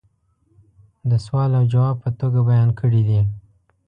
دسوال او جواب په توگه بیان کړي دي